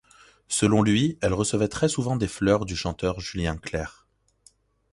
Selon lui, elle recevait très souvent des fleurs du chanteur Julien Clerc.